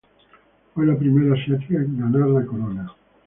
Fue la primera asiática en ganar la corona.